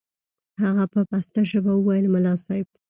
هغه په پسته ژبه وويل ملا صاحب.